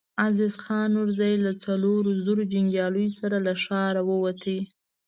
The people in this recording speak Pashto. عزيز خان نورزی له څلورو زرو جنګياليو سره له ښاره ووت.